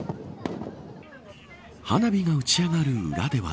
花火が打ち上がる裏では。